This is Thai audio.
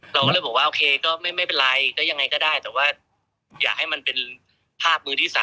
เราก็เลยบอกว่าโอเคก็ไม่เป็นไรก็ยังไงก็ได้แต่ว่าอยากให้มันเป็นภาพมือที่๓